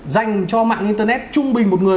dành cho mạng internet trung bình một người